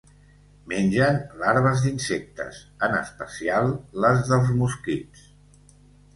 Mengen larves d'insectes, en especial les dels mosquits.